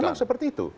memang seperti itu